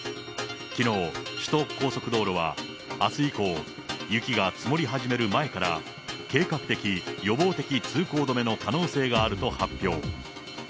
きのう、首都高速道路はあす以降、雪が積もり始める前から、計画的・予防的通行止めの可能性があると発表。